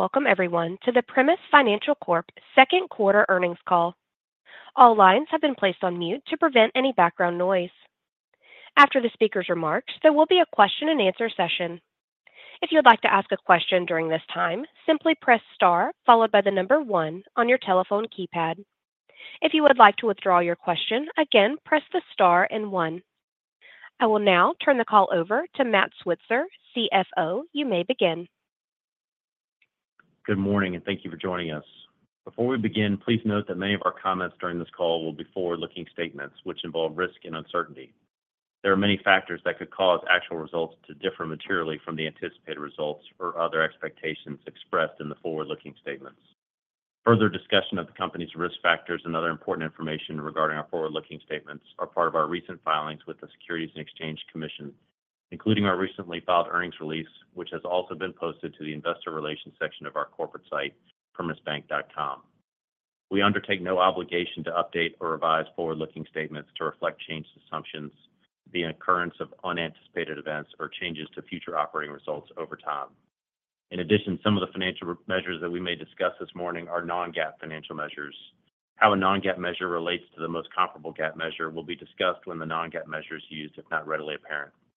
Welcome, everyone, to the Primis Financial Corp second quarter earnings call. All lines have been placed on mute to prevent any background noise. After the speaker's remarks, there will be a question-and-answer session. If you would like to ask a question during this time, simply press star followed by the number one on your telephone keypad. If you would like to withdraw your question, again, press the star and one. I will now turn the call over to Matt Switzer, CFO. You may begin. Good morning, and thank you for joining us. Before we begin, please note that many of our comments during this call will be forward-looking statements, which involve risk and uncertainty. There are many factors that could cause actual results to differ materially from the anticipated results or other expectations expressed in the forward-looking statements. Further discussion of the company's risk factors and other important information regarding our forward-looking statements are part of our recent filings with the Securities and Exchange Commission, including our recently filed earnings release, which has also been posted to the investor relations section of our corporate site, primisbank.com. We undertake no obligation to update or revise forward-looking statements to reflect changed assumptions, the occurrence of unanticipated events, or changes to future operating results over time. In addition, some of the financial measures that we may discuss this morning are non-GAAP financial measures. How a non-GAAP measure relates to the most comparable GAAP measure will be discussed when the non-GAAP measure is used, if not readily apparent. I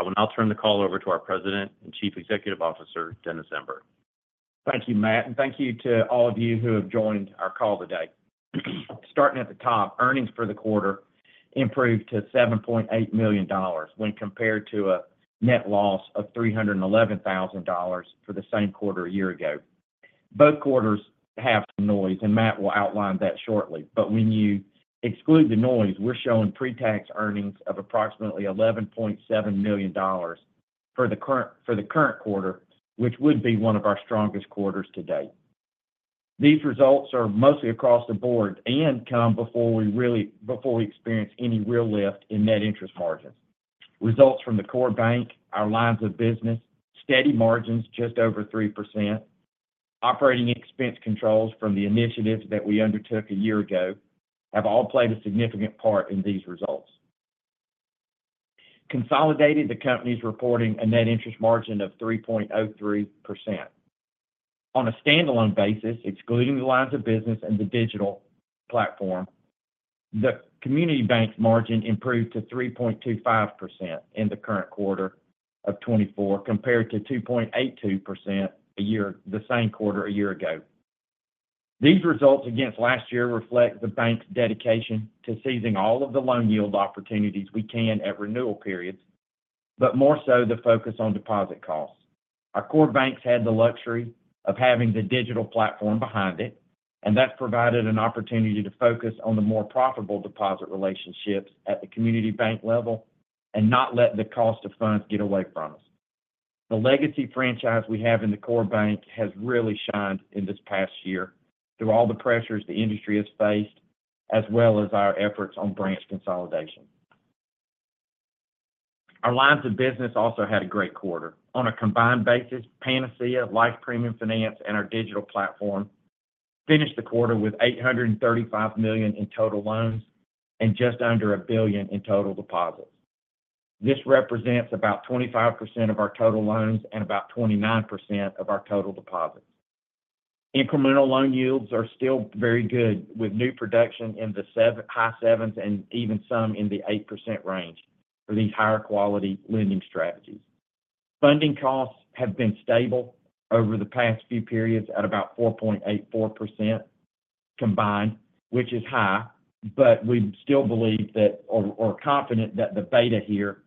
will now turn the call over to our President and Chief Executive Officer, Dennis Zember. Thank you, Matt, and thank you to all of you who have joined our call today. Starting at the top, earnings for the quarter improved to $7.8 million when compared to a net loss of $311,000 for the same quarter a year ago. Both quarters have some noise, and Matt will outline that shortly. But when you exclude the noise, we're showing pre-tax earnings of approximately $11.7 million for the current quarter, which would be one of our strongest quarters to date. These results are mostly across the board and come before we experience any real lift in net interest margins. Results from the core bank, our lines of business, steady margins just over 3%, operating expense controls from the initiatives that we undertook a year ago have all played a significant part in these results. Consolidated, the company's reporting a net interest margin of 3.03%. On a standalone basis, excluding the lines of business and the digital platform, the community bank's margin improved to 3.25% in the current quarter of 2024 compared to 2.82% the same quarter a year ago. These results against last year reflect the bank's dedication to seizing all of the loan yield opportunities we can at renewal periods, but more so the focus on deposit costs. Our core banks had the luxury of having the digital platform behind it, and that's provided an opportunity to focus on the more profitable deposit relationships at the community bank level and not let the cost of funds get away from us. The legacy franchise we have in the core bank has really shined in this past year through all the pressures the industry has faced, as well as our efforts on branch consolidation. Our lines of business also had a great quarter. On a combined basis, Panacea, Life Premium Finance, and our digital platform finished the quarter with $835 million in total loans and just under $1 billion in total deposits. This represents about 25% of our total loans and about 29% of our total deposits. Incremental loan yields are still very good, with new production in the high sevens and even some in the 8% range for these higher quality lending strategies. Funding costs have been stable over the past few periods at about 4.84% combined, which is high, but we still believe that or are confident that the beta here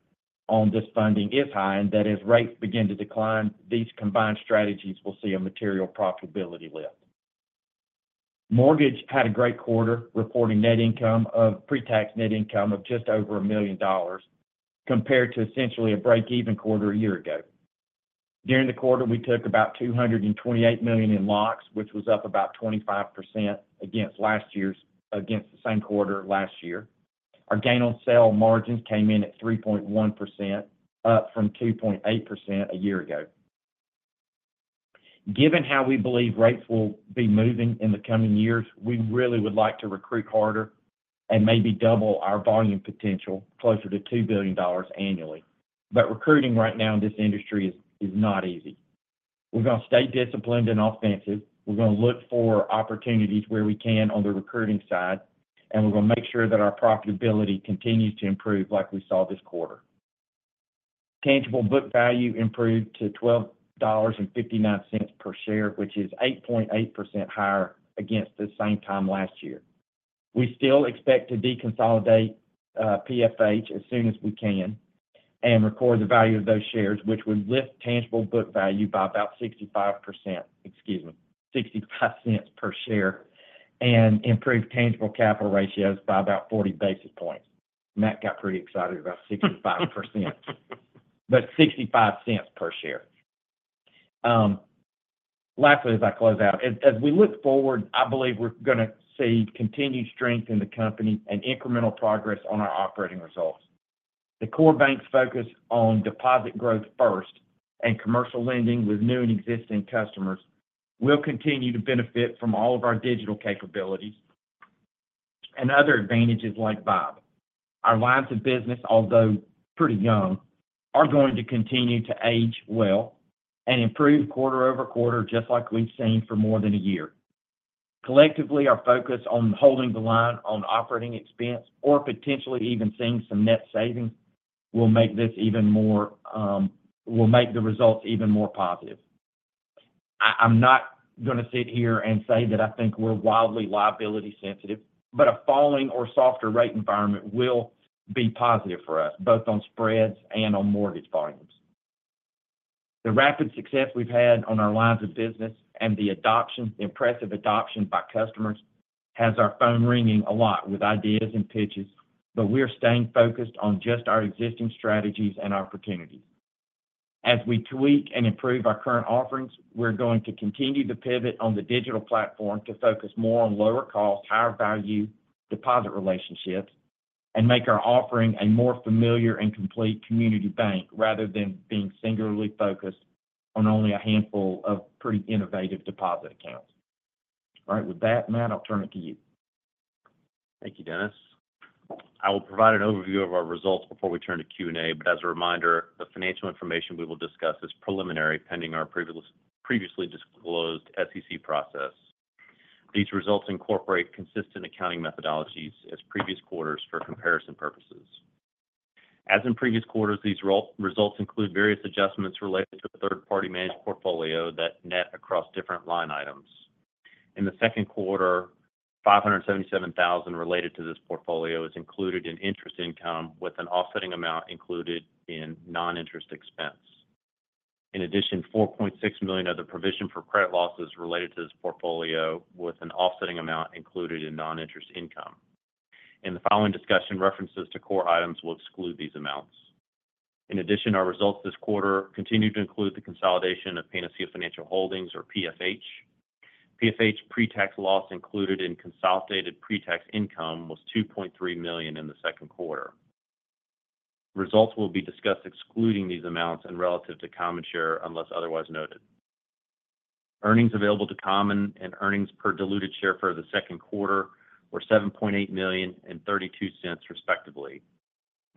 on this funding is high, and that as rates begin to decline, these combined strategies will see a material profitability lift. Mortgage had a great quarter, reporting net income of pre-tax net income of just over $1 million compared to essentially a break-even quarter a year ago. During the quarter, we took about $228 million in locks, which was up about 25% against the same quarter last year. Our gain on sale margins came in at 3.1%, up from 2.8% a year ago. Given how we believe rates will be moving in the coming years, we really would like to recruit harder and maybe double our volume potential closer to $2 billion annually. But recruiting right now in this industry is not easy. We're going to stay disciplined and offensive. We're going to look for opportunities where we can on the recruiting side, and we're going to make sure that our profitability continues to improve like we saw this quarter. Tangible book value improved to $12.59 per share, which is 8.8% higher against the same time last year. We still expect to deconsolidate PFH as soon as we can and record the value of those shares, which would lift tangible book value by about 65%, excuse me, $0.65 per share, and improve tangible capital ratios by about 40 basis points. Matt got pretty excited about 65%, but $0.65 per share. Lastly, as I close out, as we look forward, I believe we're going to see continued strength in the company and incremental progress on our operating results. The core bank's focus on deposit growth first and commercial lending with new and existing customers will continue to benefit from all of our digital capabilities and other advantages like V1BE. Our lines of business, although pretty young, are going to continue to age well and improve quarter-over-quarter just like we've seen for more than a year. Collectively, our focus on holding the line on operating expense or potentially even seeing some net savings will make the results even more positive. I'm not going to sit here and say that I think we're wildly liability sensitive, but a falling or softer rate environment will be positive for us, both on spreads and on mortgage volumes. The rapid success we've had on our lines of business and the adoption, the impressive adoption by customers has our phone ringing a lot with ideas and pitches, but we are staying focused on just our existing strategies and opportunities. As we tweak and improve our current offerings, we're going to continue to pivot on the digital platform to focus more on lower cost, higher value deposit relationships and make our offering a more familiar and complete community bank rather than being singularly focused on only a handful of pretty innovative deposit accounts. All right, with that, Matt, I'll turn it to you. Thank you, Dennis. I will provide an overview of our results before we turn to Q&A, but as a reminder, the financial information we will discuss is preliminary pending our previously disclosed SEC process. These results incorporate consistent accounting methodologies as previous quarters for comparison purposes. As in previous quarters, these results include various adjustments related to a third-party managed portfolio that net across different line items. In the second quarter, $577,000 related to this portfolio is included in interest income with an offsetting amount included in non-interest expense. In addition, $4.6 million of the provision for credit losses related to this portfolio with an offsetting amount included in non-interest income. In the following discussion, references to core items will exclude these amounts. In addition, our results this quarter continue to include the consolidation of Panacea Financial Holdings, or PFH. PFH pre-tax loss included in consolidated pre-tax income was $2.3 million in the second quarter. Results will be discussed excluding these amounts and relative to common share unless otherwise noted. Earnings available to common and earnings per diluted share for the second quarter were $7.8 million and $0.32 respectively.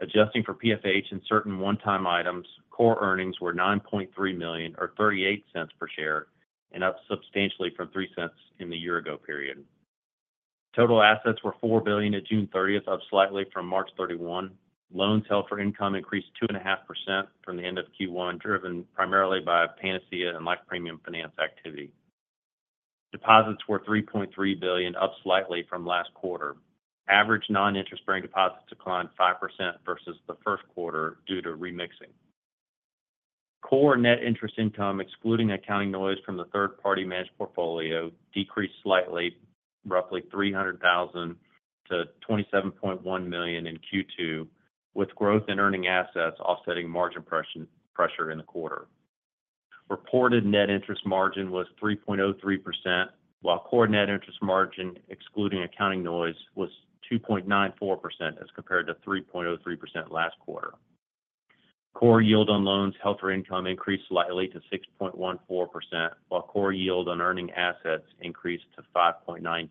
Adjusting for PFH and certain one-time items, core earnings were $9.3 million or $0.38 per share and up substantially from $0.03 in the year-ago period. Total assets were $4 billion at June 30th, up slightly from March 31. Loans held for income increased 2.5% from the end of Q1, driven primarily by Panacea and Life Premium Finance activity. Deposits were $3.3 billion, up slightly from last quarter. Average non-interest-bearing deposits declined 5% versus the first quarter due to remixing. Core net interest income, excluding accounting noise from the third-party managed portfolio, decreased slightly, roughly $300,000 to $27.1 million in Q2, with growth in earning assets offsetting margin pressure in the quarter. Reported net interest margin was 3.03%, while core net interest margin, excluding accounting noise, was 2.94% as compared to 3.03% last quarter. Core yield on loans held for income increased slightly to 6.14%, while core yield on earning assets increased to 5.92%.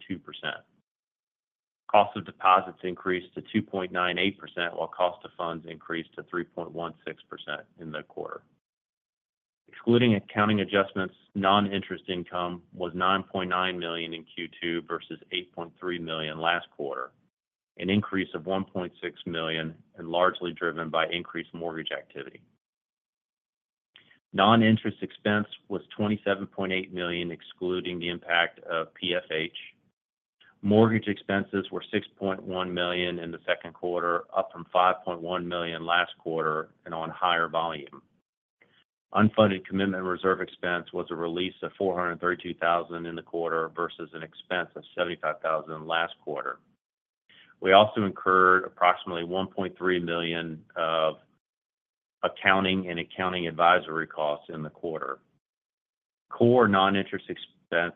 Cost of deposits increased to 2.98%, while cost of funds increased to 3.16% in the quarter. Excluding accounting adjustments, non-interest income was $9.9 million in Q2 versus $8.3 million last quarter, an increase of $1.6 million and largely driven by increased mortgage activity. Non-interest expense was $27.8 million, excluding the impact of PFH. Mortgage expenses were $6.1 million in the second quarter, up from $5.1 million last quarter and on higher volume. Unfunded commitment reserve expense was a release of $432,000 in the quarter versus an expense of $75,000 last quarter. We also incurred approximately $1.3 million of accounting and accounting advisory costs in the quarter. Core non-interest expense,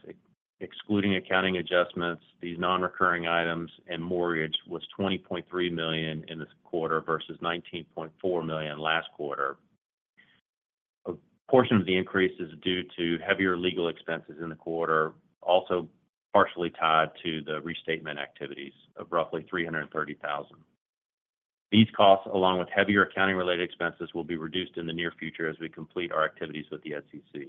excluding accounting adjustments, these non-recurring items and mortgage, was $20.3 million in this quarter versus $19.4 million last quarter. A portion of the increase is due to heavier legal expenses in the quarter, also partially tied to the restatement activities of roughly $330,000. These costs, along with heavier accounting-related expenses, will be reduced in the near future as we complete our activities with the SEC.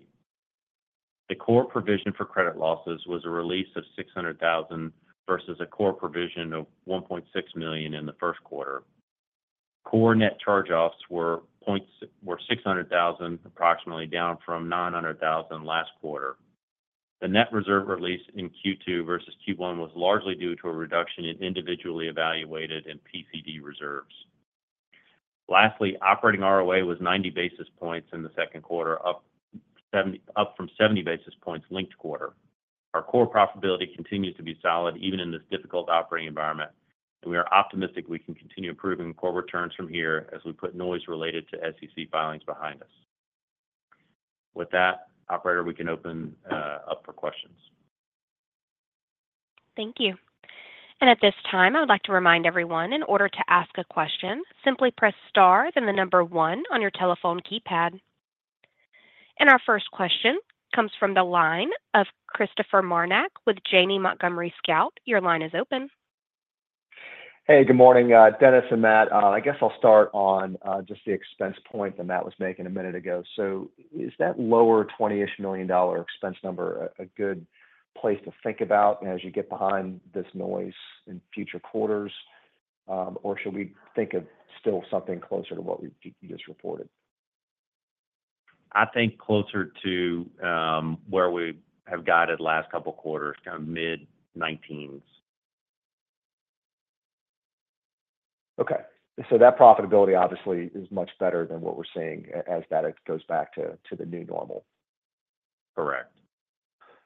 The core provision for credit losses was a release of $600,000 versus a core provision of $1.6 million in the first quarter. Core net charge-offs were $600,000 approximately, down from $900,000 last quarter. The net reserve release in Q2 versus Q1 was largely due to a reduction in individually evaluated and PCD reserves. Lastly, operating ROA was 90 basis points in the second quarter, up from 70 basis points linked quarter. Our core profitability continues to be solid even in this difficult operating environment, and we are optimistic we can continue improving core returns from here as we put noise related to SEC filings behind us. With that, operator, we can open up for questions. Thank you. At this time, I would like to remind everyone in order to ask a question, simply press star, then the number one on your telephone keypad. Our first question comes from the line of Christopher Marinac with Janney Montgomery Scott. Your line is open. Hey, good morning, Dennis and Matt. I guess I'll start on just the expense point that Matt was making a minute ago. Is that lower $20-ish million expense number a good place to think about as you get behind this noise in future quarters, or should we think of still something closer to what you just reported? I think closer to where we have got it last couple of quarters, kind of mid-19s. Okay. So that profitability obviously is much better than what we're seeing as that goes back to the new normal. Correct.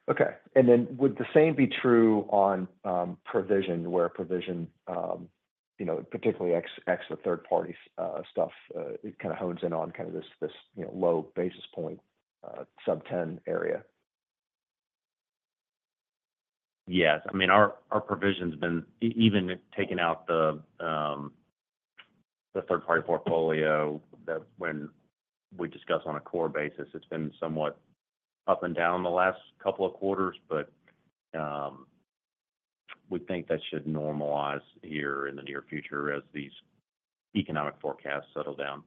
Okay. And then would the same be true on provision, where provision, particularly ex the third-party stuff, it kind of hones in on kind of this low basis point sub-10 area? Yes. I mean, our provision's been even taking out the third-party portfolio that when we discuss on a core basis, it's been somewhat up and down the last couple of quarters, but we think that should normalize here in the near future as these economic forecasts settle down.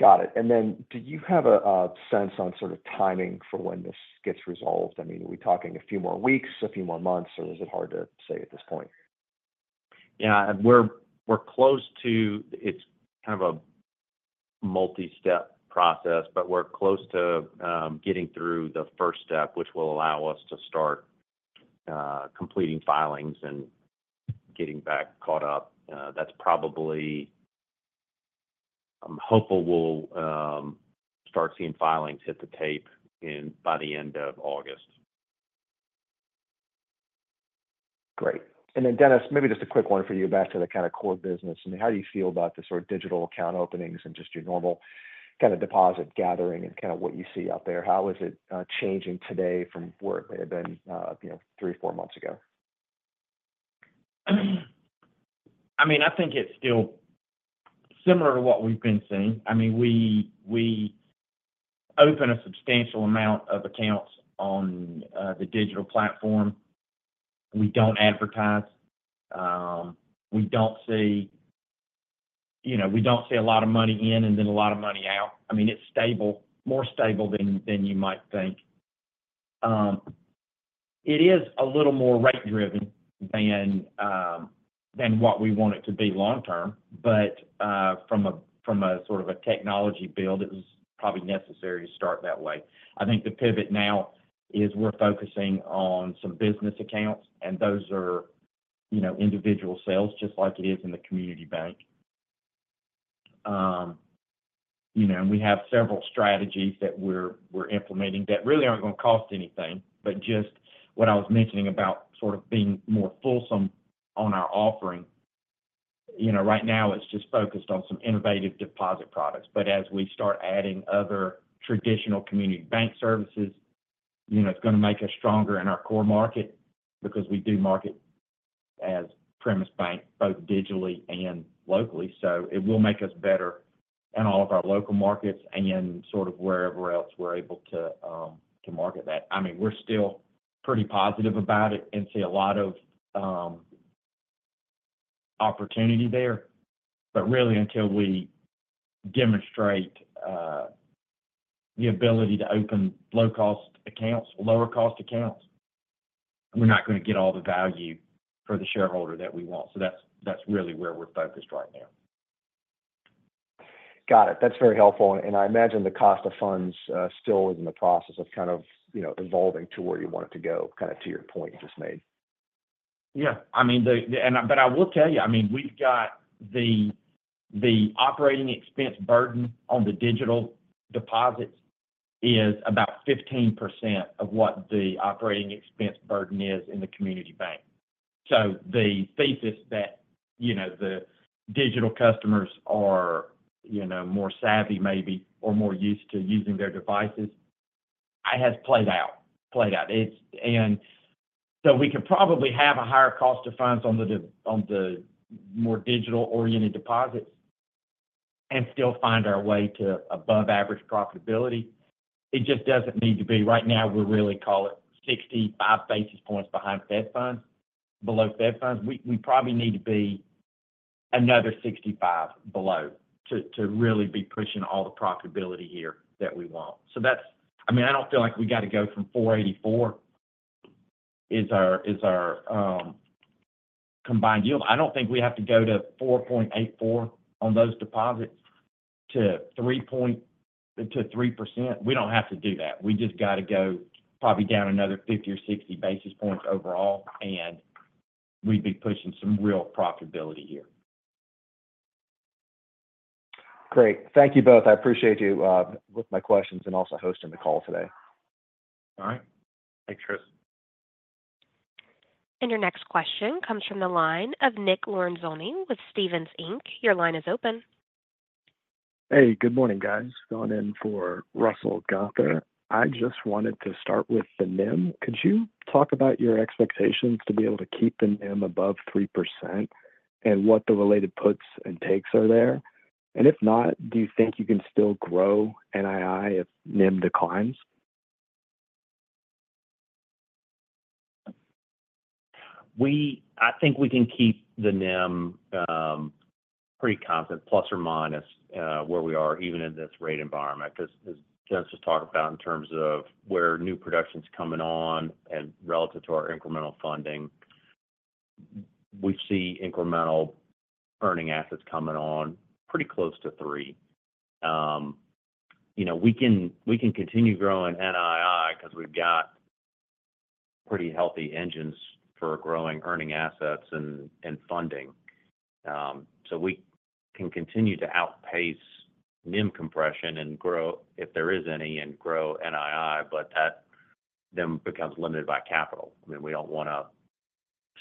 Got it. And then do you have a sense on sort of timing for when this gets resolved? I mean, are we talking a few more weeks, a few more months, or is it hard to say at this point? Yeah. We're close to it. It's kind of a multi-step process, but we're close to getting through the first step, which will allow us to start completing filings and getting back caught up. That's probably, I'm hopeful we'll start seeing filings hit the tape by the end of August. Great. And then, Dennis, maybe just a quick one for you back to the kind of core business. I mean, how do you feel about the sort of digital account openings and just your normal kind of deposit gathering and kind of what you see out there? How is it changing today from where it may have been 3, 4 months ago? I mean, I think it's still similar to what we've been seeing. I mean, we open a substantial amount of accounts on the digital platform. We don't advertise. We don't see a lot of money in and then a lot of money out. I mean, it's stable, more stable than you might think. It is a little more rate-driven than what we want it to be long-term, but from a sort of a technology build, it was probably necessary to start that way. I think the pivot now is we're focusing on some business accounts, and those are individual sales just like it is in the community bank. And we have several strategies that we're implementing that really aren't going to cost anything, but just what I was mentioning about sort of being more fulsome on our offering. Right now, it's just focused on some innovative deposit products, but as we start adding other traditional community bank services, it's going to make us stronger in our core market because we do market as Primis Bank both digitally and locally. So it will make us better in all of our local markets and sort of wherever else we're able to market that. I mean, we're still pretty positive about it and see a lot of opportunity there, but really until we demonstrate the ability to open low-cost accounts, lower-cost accounts, we're not going to get all the value for the shareholder that we want. So that's really where we're focused right now. Got it. That's very helpful. I imagine the cost of funds still is in the process of kind of evolving to where you want it to go, kind of to your point you just made. Yeah. I mean, but I will tell you, I mean, we've got the operating expense burden on the digital deposits is about 15% of what the operating expense burden is in the community bank. So the thesis that the digital customers are more savvy maybe or more used to using their devices has played out. And so we could probably have a higher cost of funds on the more digital-oriented deposits and still find our way to above-average profitability. It just doesn't need to be right now, we really call it 65 basis points behind Fed funds, below Fed funds. We probably need to be another 65 below to really be pushing all the profitability here that we want. So I mean, I don't feel like we got to go from 4.84 is our combined yield. I don't think we have to go to 4.84 on those deposits to 3%. We don't have to do that. We just got to go probably down another 50 or 60 basis points overall, and we'd be pushing some real profitability here. Great. Thank you both. I appreciate you with my questions and also hosting the call today. All right. Thanks, Chris. Your next question comes from the line of Nick Lorenzoni with Stephens Inc. Your line is open. Hey, good morning, guys. Going in for Russell Gunther. I just wanted to start with the NIM. Could you talk about your expectations to be able to keep the NIM above 3% and what the related puts and takes are there? And if not, do you think you can still grow NII if NIM declines? I think we can keep the NIM pretty confident, plus or minus where we are, even in this rate environment, because as Dennis just talked about in terms of where new production's coming on and relative to our incremental funding, we see incremental earning assets coming on pretty close to 3. We can continue growing NII because we've got pretty healthy engines for growing earning assets and funding. So we can continue to outpace NIM compression and grow, if there is any, and grow NII, but that then becomes limited by capital. I mean, we don't want to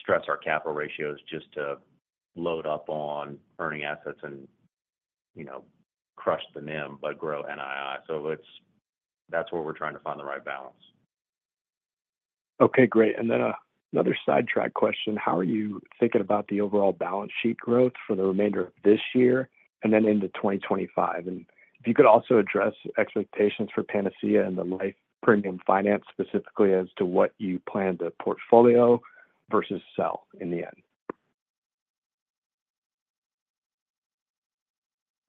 stress our capital ratios just to load up on earning assets and crush the NIM, but grow NII. So that's where we're trying to find the right balance. Okay. Great. And then another sidetrack question. How are you thinking about the overall balance sheet growth for the remainder of this year and then into 2025? And if you could also address expectations for Panacea and the Life Premium Finance specifically as to what you plan to portfolio versus sell in the end?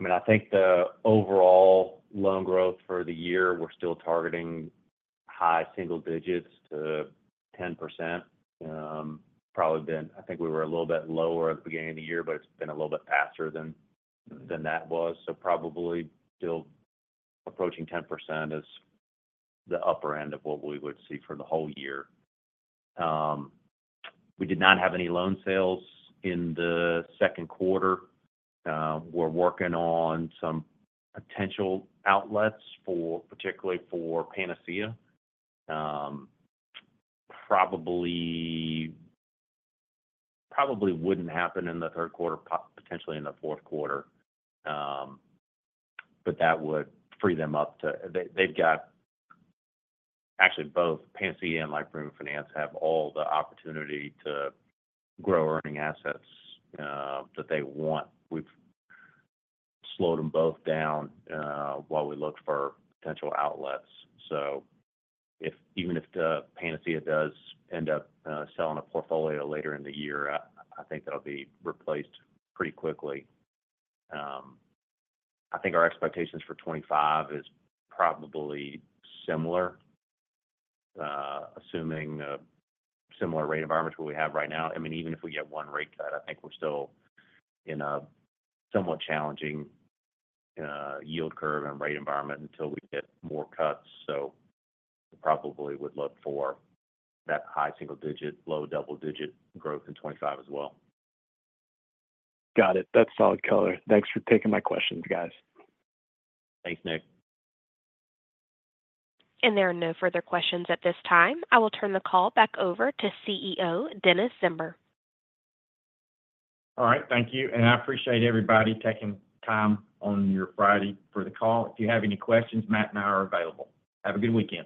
I mean, I think the overall loan growth for the year, we're still targeting high single digits to 10%. Probably been. I think we were a little bit lower at the beginning of the year, but it's been a little bit faster than that was. So probably still approaching 10% is the upper end of what we would see for the whole year. We did not have any loan sales in the second quarter. We're working on some potential outlets, particularly for Panacea. Probably wouldn't happen in the third quarter, potentially in the fourth quarter, but that would free them up. They've got actually both Panacea and Life Premium Finance have all the opportunity to grow earning assets that they want. We've slowed them both down while we look for potential outlets. So even if Panacea does end up selling a portfolio later in the year, I think that'll be replaced pretty quickly. I think our expectations for 2025 is probably similar, assuming similar rate environments where we have right now. I mean, even if we get one rate cut, I think we're still in a somewhat challenging yield curve and rate environment until we get more cuts. So we probably would look for that high single digit, low double digit growth in 2025 as well. Got it. That's a solid quarter. Thanks for taking my questions, guys. Thanks, Nick. There are no further questions at this time. I will turn the call back over to CEO Dennis Zember. All right. Thank you. I appreciate everybody taking time on your Friday for the call. If you have any questions, Matt and I are available. Have a good weekend.